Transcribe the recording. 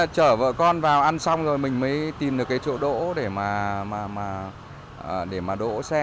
trở vợ con vào ăn xong rồi mình mới tìm được cái chỗ đỗ để mà đỗ xe